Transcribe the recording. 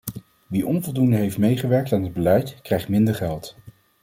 Wie onvoldoende heeft meegewerkt aan het beleid, krijgt minder geld.